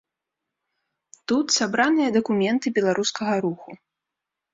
Тут сабраныя дакументы беларускага руху.